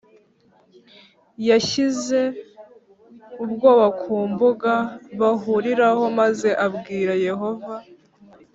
Yashyize ubwoya ku mbuga bahuriraho maze abwira yehova